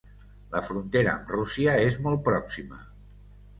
La frontera amb Rússia és molt pròxima.